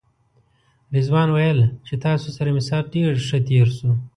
رضوان ویل چې تاسو سره مې ساعت ډېر ښه تېر شو.